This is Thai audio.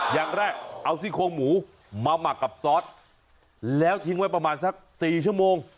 อย่างแรกเอาซี่โครงหมูมาหมักกับซอสแล้วทิ้งไว้ประมาณสัก๔ชั่วโมง